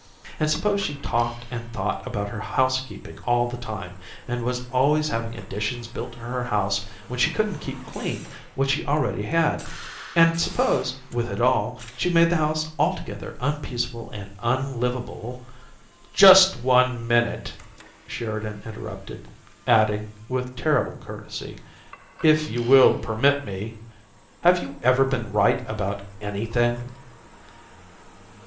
And suppose she talked and thought about her housekeeping all the time, and was always having additions built to her house when she couldn't keep clean what she already had; and suppose, with it all, she made the house altogether unpeaceful and unlivable " "Just one minute!" Sheridan interrupted, adding, with terrible courtesy, "If you will permit me? Have you ever been right about anything?"